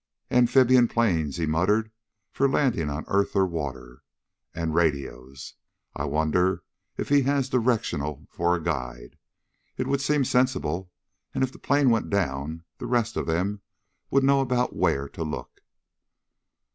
"Amphibian planes," he muttered, "for landing on earth or water. And radios. I wonder if he has directional for a guide? It would seem sensible, and if a plane went down the rest of them would know about where to look."